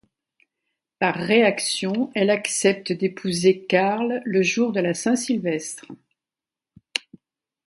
Par réaction elle accepte d'épouser Carl le jour de la Saint-Sylvestre.